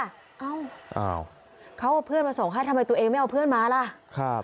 เอ้าเขาเอาเพื่อนมาส่งให้ทำไมตัวเองไม่เอาเพื่อนมาล่ะครับ